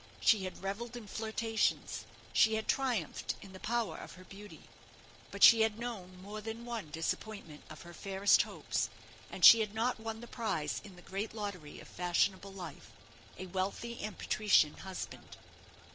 She had revelled in flirtations; she had triumphed in the power of her beauty; but she had known more than one disappointment of her fairest hopes, and she had not won the prize in the great lottery of fashionable life a wealthy and patrician husband.